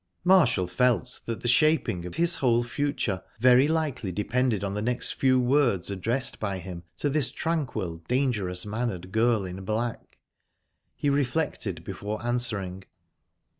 Marshall felt that the shaping of his whole future very likely depended on the next few words addressed by him to this tranquil, dangerous mannered girl in black. He reflected before answering.